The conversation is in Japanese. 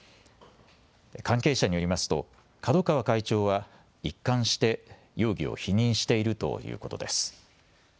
関係者によりますと角川会長は一貫して容疑を否認しているということです。